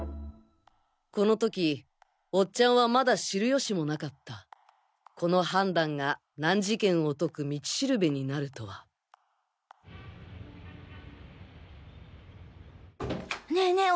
この時おっちゃんはまだ知る由もなかったこの判断が難事件を解く道標になるとはねえねえ